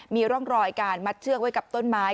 มีร่องรอยการมัดเชือกไว้กับต้นไม้